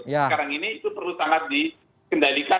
sekarang ini itu perlu sangat dikendalikan